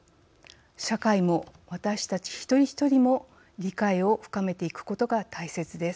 社会も私たち一人一人も理解を深めていくことが大切です。